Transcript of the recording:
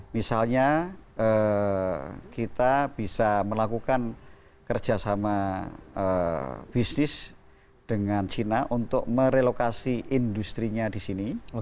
misalnya kita bisa melakukan kerjasama bisnis dengan china untuk merelokasi industrinya di sini